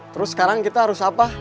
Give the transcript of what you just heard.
terus sekarang kita harus apa